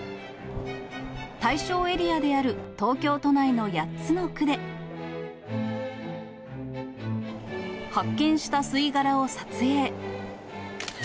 対象エリアである東京都内の８つの区で、発見した吸い殻を撮影。